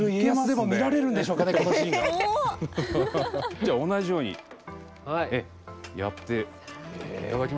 じゃあ同じようにやっていただきましょう。